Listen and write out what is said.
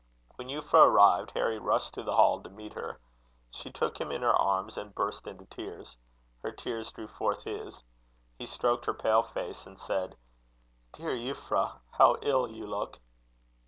When Euphra arrived, Harry rushed to the hall to meet her. She took him in her arms, and burst into tears. Her tears drew forth his. He stroked her pale face, and said: "Dear Euphra, how ill you look!"